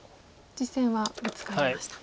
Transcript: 実戦はブツカりました。